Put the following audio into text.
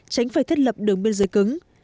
tránh phải thiết lập đường biên giới cứng